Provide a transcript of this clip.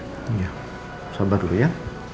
iya sabar dulu ya